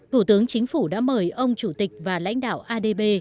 thủ tướng chính phủ đã mời ông chủ tịch và lãnh đạo adb